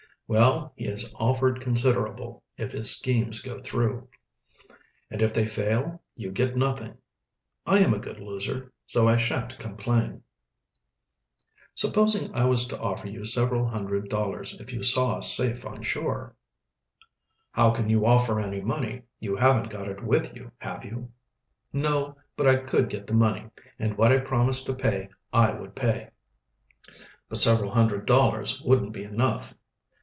"Well, he has offered considerable, if his schemes go through." "And if they fail you get nothing." "I am a good loser so I shan't complain." "Supposing I was to offer you several hundred dollars if you saw us safe on shore." "How can you offer any money? You haven't got it with you, have you?" "No. But I could get the money, and what I promised to pay I would pay." "But several hundred dollars wouldn't be enough."